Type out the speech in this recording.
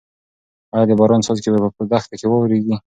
ايا د باران څاڅکي به په دښته کې واوریږي؟